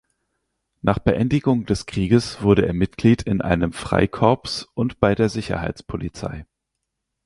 Nach Beendigung des Krieges wurde er Mitglied in einem Freikorps und bei der Sicherheitspolizei.